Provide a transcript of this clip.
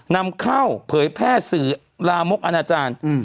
นำเข้าเผยแพร่สื่อลามกอนาจารย์